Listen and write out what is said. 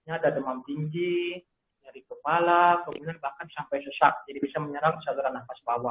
ada demam tinggi nyeri kepala kemudian bahkan sampai sesak jadi bisa menyerang saluran nafas bawah